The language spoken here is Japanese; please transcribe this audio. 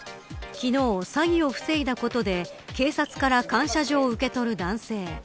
昨日、詐欺を防いだことで警察から感謝状を受け取る男性。